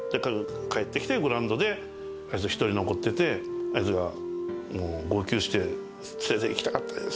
帰ってきて、グラウンドであいつは１人残っててあいつが、もう号泣して「連れて行きたかったです」。